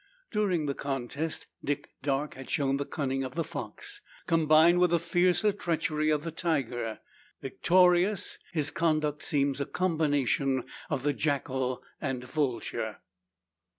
During the contest, Dick Darke has shown the cunning of the fox, combined with the fiercer treachery of the tiger; victorious, his conduct seems a combination of the jackal and vulture.